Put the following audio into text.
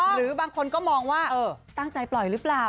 หรือบางคนก็มองว่าตั้งใจปล่อยหรือเปล่า